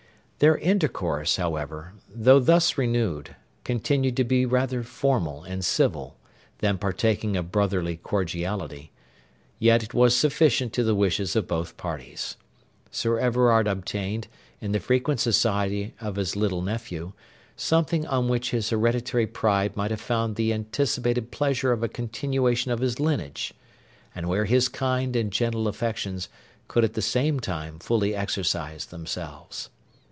Their intercourse, however, though thus renewed, continued to be rather formal and civil than partaking of brotherly cordiality; yet it was sufficient to the wishes of both parties. Sir Everard obtained, in the frequent society of his little nephew, something on which his hereditary pride might found the anticipated pleasure of a continuation of his lineage, and where his kind and gentle affections could at the same time fully exercise themselves.